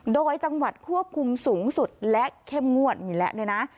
โดยจังหวัดควบคุมสูงสุดและเข้มงวดอยู่แล้วนะ